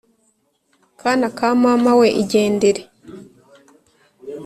kana ka mama we igendere